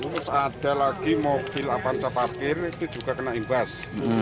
terus ada lagi mobil apansa parkir itu juga kena imbas